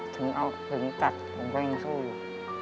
ถึงเอาผึงตัดผมก็ยังสู้อยู่